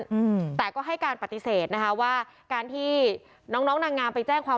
อืมแต่ก็ให้การปฏิเสธนะคะว่าการที่น้องน้องนางงามไปแจ้งความ